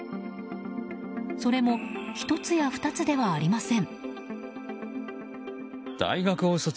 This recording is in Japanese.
それも１つや２つではありません。